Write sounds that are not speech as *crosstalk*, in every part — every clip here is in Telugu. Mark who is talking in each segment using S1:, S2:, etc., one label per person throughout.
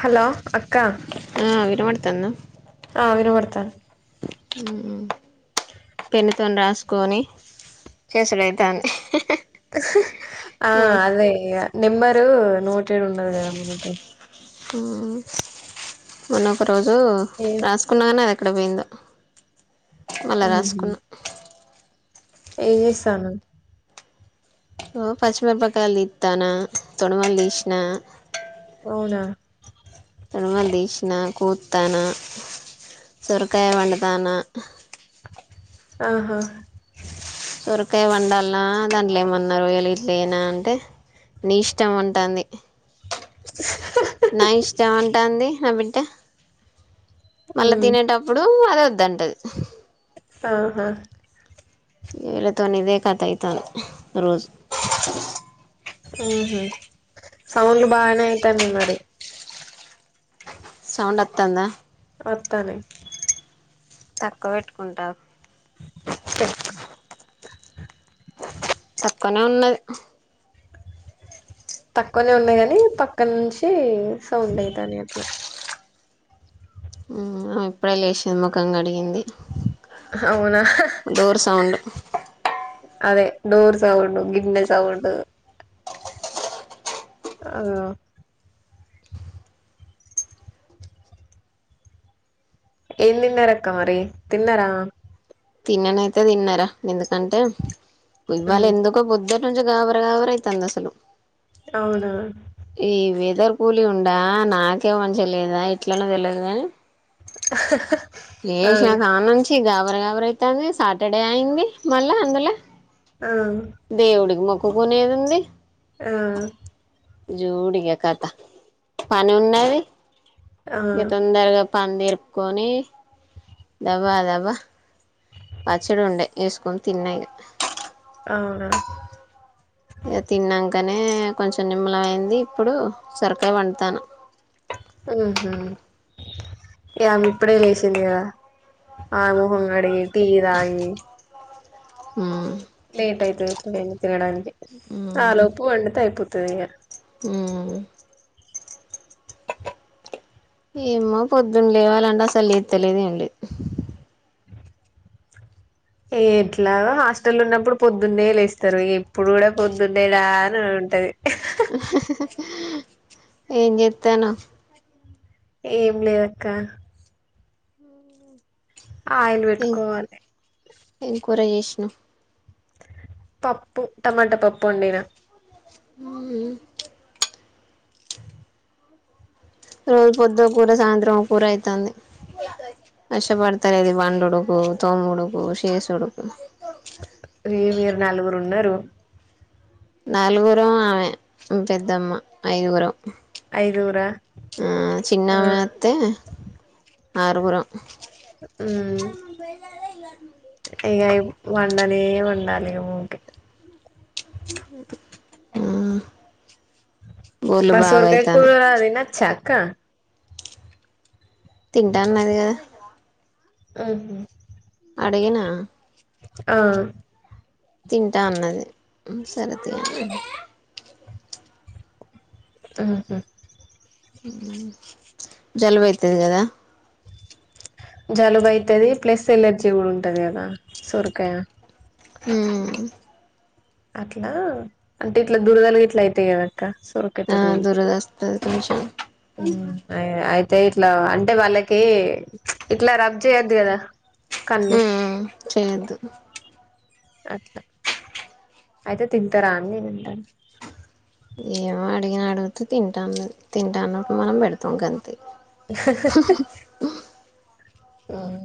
S1: హలో అక్క
S2: తను
S1: ఆ విన వర్తను
S2: పెన్నతోని రాసుకొని చేసడైతన్ని
S1: ఆ అదే నిమ్రు నోట్ ట్టేడు ఉన్నారు కదా మనకి
S2: మనక రోజు
S1: ఏ
S2: రాసుకున్నాగానే అక్కడపోయింద మళ్ళా రాసుకున్నా
S1: ఏజస్తను
S2: ఓ పచ్చిమిరపక్క తానా తొడుమ ీష్ిన
S1: అవునా
S2: తుడమలు తీసిన కూతాను సొరకాయ వండుతాను
S1: ఆహా
S2: సొరకాయ వండాలనా దాంట్లో ఏమన్నా రయలు ఇట్లునా అంటే నీ ఇష్టం ఉంటుంది
S1: *inaudible*
S2: నా ఇష్ట ఏమంటాంది నా బిడ్డ మళ్ళా
S1: ఉమ్
S2: తినేటప్పుడు చద్దంటదు
S1: ఆహా
S2: వీళ్ళతోని ఇదే కథ అయితాంది రోజు
S1: ఊహూ సౌండ్లు బానే అయితన్నై మరి
S2: సౌండ్ వత్తాందా
S1: వత్తానై
S2: తక్కువ పెట్టుకుంటారు
S1: పెట్టుకో
S2: తక్కువనే ఉన్నది
S1: తక్కువనే ఉన్నాయి కాని పక్కన నుంచి సౌండ్ అయితానే అట్లా
S2: హ్మ్ ఇప్పుడే లేచి ముఖం కడిగింది
S1: అవునా
S2: డోర్ సౌండు
S1: అదే డోర్ సౌండ్ గిన్నె సౌండ్ ఆ ఏం తిన్నారక్క మరి తిన్నారా
S2: తిన్నానయితే తిన్నారా ఎందుకంటే ఇవాళ
S1: ఉమ్
S2: ఎందుకో పొద్ధు కొంచెం గాభరాగాభర అయితంది అసలు
S1: అవునా
S2: ఈ వెదర్ కూలి ఉండా నాకే మంచిగా లేదా ఇట్లన తెలియదు గాని
S1: *inaudible* ఆ
S2: *unintelligible* గాబర గాబర అయితాంది సాటర్డే అయింది మళ్ళా అందులో
S1: ఆ
S2: దేవుడికి మొక్ ఒకునేదుంది
S1: ఆ
S2: జూడిగా కథ పని ఉన్నావి ఇ
S1: ఆ
S2: తొందరగా పందిరు కొని దబా దబా పచ్చడి ఉండే వేసుకొని తిన్నాయి
S1: ఆ
S2: ఇక తిన్నంకనే కొంచెం నిమ్మలం అయింది. ఇప్పుడు సొరకాయ వండుతాను.
S1: ఊహూ ఆమె ఇప్పుడే లేచింది కద ఆ మొహం కడిగి తీరాయి
S2: హ్మ్
S1: లేట్ అయితది ఇప్పుడే ను తినడానికి ఆలోపు వండితే అయిపోత్ తేయ
S2: హ్మ్ ఏమ్మా పొద్దున లేవాలంటే అసలు లేత్తలేదు ఏమీలేదు
S1: ఎట్లాగ హాస్టల్ ఉన్నప్పుడు పొద్దున్నే లేస్తారు ఇప్పుడు కూడా పొద్దునేలా అని ఉంటది
S2: ఏం చేత్తాను
S1: ఏం లేదక్క ఆయిల్
S2: ఏం
S1: పెట్టుకోవాలి
S2: ఉ
S1: పప్పు టమాట పప్పు వండిన
S2: ఉమ్ రోజు పొద్దు ఓ కూర సాయంత్రం ఒక కూర అయితంది అష్ట పడతార దదిి బం ఉడుకు తోమ్ ఉడుకు శేస్ ఉడుకు
S1: అ మీరు నలుగురు ఉన్నారు
S2: నాలుగురం ఆమె పెద్దమ్మ ఐదుగురం
S1: ఐదుగురా
S2: ఆ చిన్న
S1: ఆ
S2: ఆమె తే ఆరుగురం
S1: ఉమ్ వండాలే వండాలే ఉకే
S2: ఆ
S1: మా సోరకాయకూర చారు కుక్క
S2: తింటాన్నది కదా
S1: ఆహా
S2: అడిగేనా
S1: ఆ
S2: తింటా అన్నది సరే తి
S1: ఆహా
S2: జలుబైతది కదా
S1: జలుబు అయితది ప్లస్ ఎలర్జీ కూడా ఉంటది కదా సొరకాయ
S2: ఉమ్
S1: అట్లా అంటే ఇట్లా దురదలుగా ఇట్లా అయితయి కదా సోరకాయ
S2: ఆ
S1: తోటి తిను
S2: దురద వస్తది కొంచెం
S1: అ ఇట్లా అంటే వాళ్ళకి ఇట్లా రబ్ చేయొద్దు కదా కన్నూ
S2: చేయద్దు
S1: అట్లా అయితే తింటారా అని నేన
S2: ఏమో అడిగిన అడుగుతే తింటన్నారు తింటాన్నప్పుడు మనం పెడతాం కదా
S1: హ ఆఆ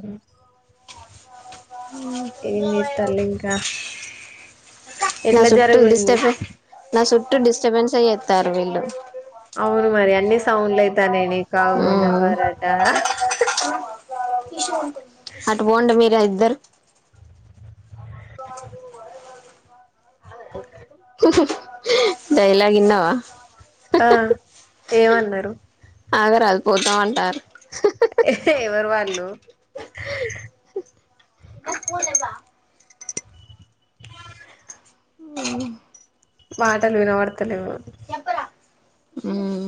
S1: ఏం ఎత్తలింకా
S2: నా చుట్టూ డిస్టబిన్స్ నా చుట్టూ డిస్టర్బెన్స్ అయేస్తారు వీళ్ళు
S1: అవును మరి అన్ని సౌండ్లయితా నేని కావున
S2: ఉమ్
S1: వరాట
S2: ఈషన్ అటు బాగుంటె మీరు కుందరు డైలాగు ఇన్నవ
S1: ఆ ఏమన్నారు
S2: ఆగ రాదా పోతాం అంటారు
S1: ఎవరు వాళ్ళు
S2: పోవా ఉమ్
S1: మాటలు వినవడుత తలే
S2: ఉమ్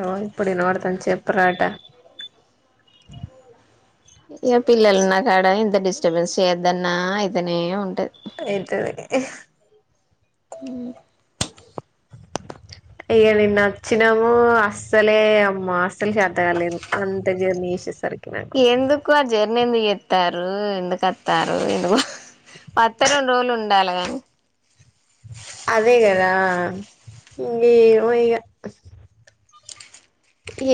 S1: ఓ ఇప్పుడు నోడుత నీ చెప్ప పరోటా
S2: ఇక పిల్లలున్నా కాడ ఇంత డిస్టర్బెన్స్ చేద్దన్నా అయితేనే ఉంటది
S1: అయితది
S2: ఉమ్
S1: ఇక నిన్న వచ్చినము అస్సలే అమ్మా చేతగాలేదు అంత జర్నీ ే సరే
S2: ఎందుకు ఆ జ ఎన్న ఎందుకు ఎత్తారు ఎందుకు వస్తారు ఎందుకు పతరం రోజలు ఉంట ండాలగాను
S1: అదే కదా ఏమో ఇక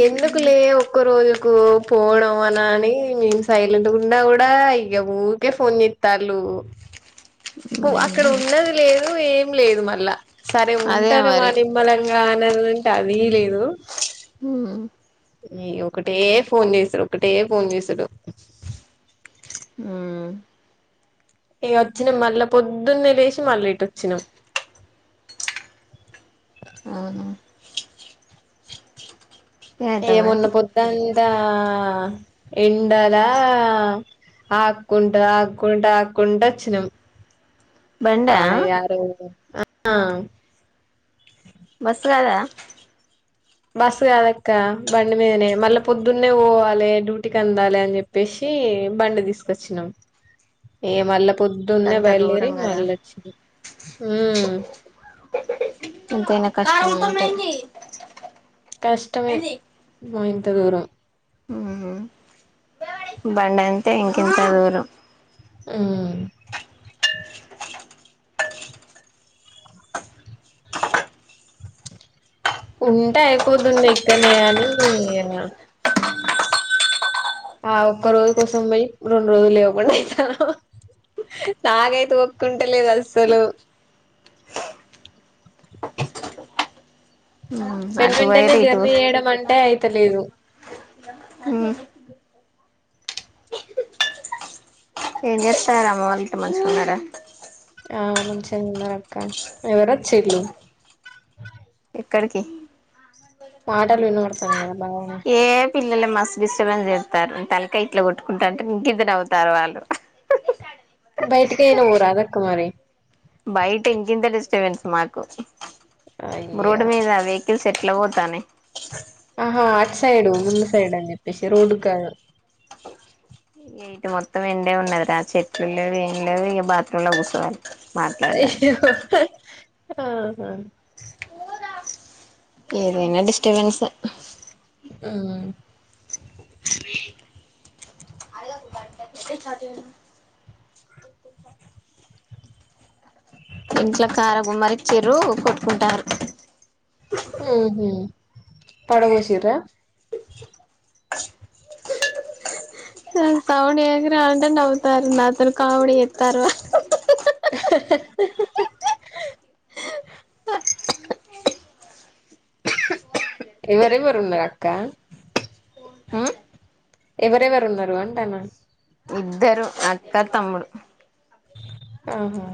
S1: ఎందుకులే ఒక్క రోజు కు పోడం అనా అని మేం సైలెంట్ గున్న కూడా ఇగ ఊరికే ఫోన్ చేస్తల్లు అక్కడ ఉన్నది లేదు ఏం లేదు మళ్ళ సరే
S2: అదే
S1: ఉంటను మా
S2: మరి
S1: నిమ్మలంగా అన అది లేదు
S2: ఉమ్
S1: నయ్య ఒకటే ఫోన్ చేసుడు ఒకటే ఫోన్ చేసుడు
S2: ఉమ్
S1: ఏ అచ్చినం మళ్ళ పొద్దున్న లేసి మళ్ళీ ఇటోచ్చినం
S2: అవునా ఏమైతాం
S1: ఏమొన్న
S2: అయితే
S1: పొద్దాంతా ఆ ఎండలా ఆక్కుంటా ఆక్కుంటా ఆక్కుంటా వచ్చినం
S2: బండా
S1: ఆ యారో *inaudible* ఆ ఆ
S2: బస్ కాదా
S1: బస్ కాదక్క బండి మీదనే మళ్ళా పొద్దున్నే పోవాలి డ్యూటీకి అందాలె అని చెప్పేసి బండి తీసుకొచ్చినాం ఏ మళ్ళా పొద్దున్నే
S2: గంత
S1: బయలుదేరి
S2: దూరం కదా
S1: మళ్ళ వచ్చిన ఉమ్మ్
S2: ఎంతైనా కష్టం ఉంటాయి
S1: కష్టమే మయ్ త దూరం
S2: ఉమ్మ్ బండంతే ఇంకింత దూరం
S1: ఉమ్మ్ ఉంటే అయిపోతుండి ఇక్కనే అని ఆ ఒక్క రోజు కోసం పోయి రెండు రోజులు లేవకుండా అయితను నాతే ఓపికుంట లేదు అస్సలు
S2: ఉమ్
S1: వెంట
S2: అటు
S1: వెంటనే
S2: పోయిర్రు ఇటు
S1: జర్నీ చేయడం అంటే అయితలేదు
S2: ఉమ్ ఏం చేస్తాన్నారు అమ్మ వాళ్ళంట్లో మంచిగున్నారా
S1: ఆ మంచిగా ఉన్నారక్క ఎవరచ్చిళ్ళు
S2: ఇక్కడకి
S1: మాటలు వినపడతనాయా బావనే
S2: ఏ పిల్లలు మస్ డిస్టర్బెన్స్ చేత్తారు తలకాయ్ ఇట్లా కొట్టుకుంటాంటే ఇంకిద్దరు నవ్వుతారు వాళ్ళు
S1: బయటికైనా పోరాదక్క మరి
S2: బయట ఇంకిింత డిస్టర్బెన్స్ మాకు రోడ్
S1: అయ్యో
S2: మీద వెహికల్ సెట్ ట్ల పోతానే
S1: ఆహా అట్ సైడు ముందు సైడ్ అని చెప్పేసి రోడ్డుకు కాదు
S2: ఇగ ఇటు మొత్తం ఎండే ఉన్నది రా చెట్లు లేదు ఏం లేదు ఇగ బాత్రూమ్ లో కూర్సోవాలి
S1: అయ్యో ఆహా
S2: ఏదనా డిస్టర్బెన్సే
S1: ఉమ్
S2: చ్చద *inaudible* ఇంట్లో కారం గుమ్మరిచ్చిర్రు కొట్టుకుంటార్రు
S1: ఊహూ పడబోసిర్రా
S2: నేను సౌండ్ చేసినా అంటే నవ్వుతారు నాతోనీ కామెడీ చేత్తార్రు
S1: *inaudible* ఎవరెవైరున్నారు అక్క
S2: ఉమ్
S1: ఎవరెవరున్నారు అంటాన్నా
S2: ఇద్దరు అక్క తమ్ముడు
S1: ఆహా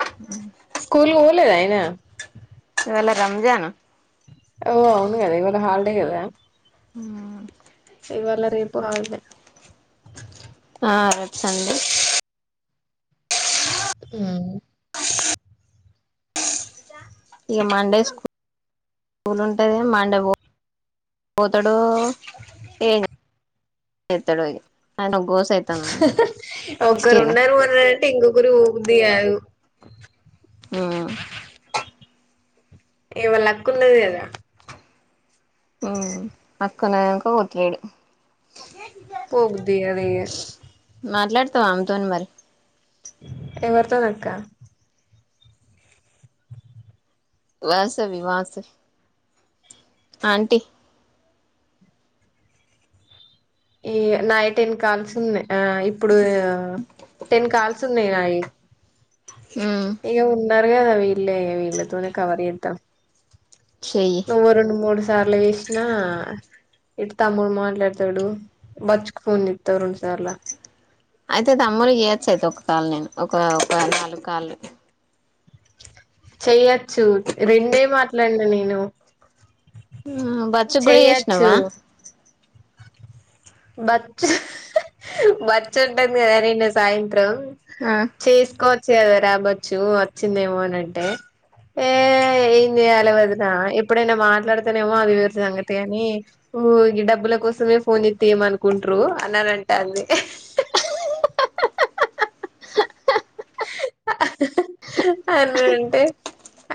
S2: అ *inaudible*
S1: ట్లేదైనా
S2: ఇవాళ రంజాన్
S1: ఓ అవును కదా ఇవాళ హాలిడే కదా
S2: హ్మ్మ్
S1: ఇవాళ రేపు హాలిడే
S2: హా రేపు సండే
S1: హమ్
S2: ఇక మండే స్కూల్ ఉంటది మండే పోతాడు ఏం చేస్తాడో ఆయప్ప
S1: ఒక్కరున్నారు ఎవరు ఓ బుద్ధిగాడు
S2: ఆ
S1: వాళ్ళ అక్క ఉన్నది కదా
S2: అక్కనైతేనే పోతలేడు
S1: పో బుద్ధి కాదు ఇగ
S2: మాట్లాడుతావ ఆమే తోని మరి
S1: ఎవరితోనక్క
S2: వసవి వాసవి ఆంటీ
S1: ఈ నైట్ టెన్ కాల్స్ ఉన్నాయ్ ఆ ఇప్పుడు టెన్ కాల్స్ స్తున్నయ్ నాయి
S2: మ్మహ్
S1: ర్గదా వీళ్ళే, వీళ్ళతోనే కవర్ చేత్త
S2: చెయ్యి
S1: నువ్వు రెండు మూడు సార్లు వేసినా ఇట్ తమ్ముడు మాట్లాడతడు, బచ్కు ఫోన్న్జెత్త రెండుసార్ల
S2: అయితే తమ్ముడి చెయ్యొచ్చు అయితే ఒక కాళ నేను ఒక ఒక నాలుగు కాలు
S1: చెయ్యచ్చు రెండే మాట్లాడిన నేను
S2: బచ్చ గూడ ఎషినవ
S1: బచ్చ బచ్చ ఉంటది కదా నిన్న సాయంత్రం
S2: ఆ
S1: చేస్కో చేద రాబచ్చు వచ్చిందేమో అనింటే ఏ ఏం చేయాలి వదిన ఎప్పుడైనా మాట్లాడుతనేమో అది వరి సంగతిగాని డబ్బుల కోసమే ఫోన్ చెత్తే ఏం అనుకుంట్రు అన్నానంటాంది అని అంటే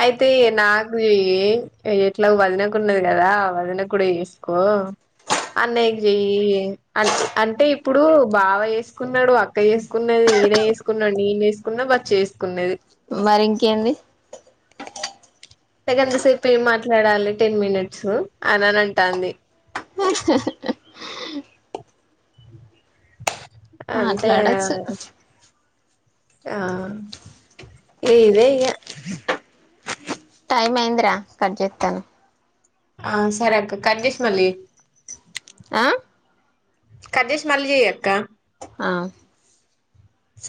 S1: అయితే నాకు చెయ్యి ఎట్లా వదనకున్నది కదా వదన కూడా చేసుకో అన్నయ్యకి చెయ్యి అ అంటే ఇప్పుడు బావ చేసుకున్నాడు అక్క చేసుకున్నది ఈయన వేసుకున్నాడు నేను చే తీసుకున్నా బట్ చేసుకునేది
S2: మరి ఇంకేంది
S1: ఎంతసేపు ఏం మాట్లాడాలి టెన్ మినిట్స్ అని అని అంటాంది అంటే
S2: మాట్లాడొచ్చు
S1: ఆ ఏద ఇ
S2: టైమ్ అయింద్రా కట్ చెత్తను
S1: ఆ సరే అక్క కట్ చేసి మళ్ళీ చెయ్
S2: ఆ
S1: కట్ చేసి మళ్ళీ చెయ్యక్క
S2: ఆ
S1: స